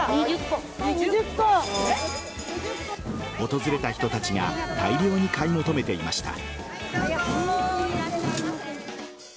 訪れた人たちが大量に買い求めていました。